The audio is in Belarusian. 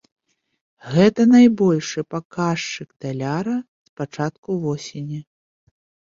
Гэта найбольшы паказчык даляра з пачатку восені.